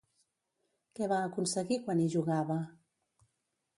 Què va aconseguir quan hi jugava?